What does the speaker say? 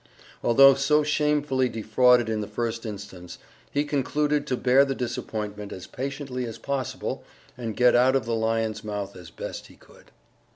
Although so shamefully defrauded in the first instance, he concluded to bear the disappointment as patiently as possible and get out of the lion's mouth as best he could.